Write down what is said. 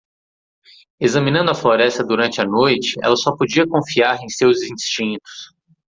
Examinando a floresta durante a noite, ela só podia confiar em seus instintos.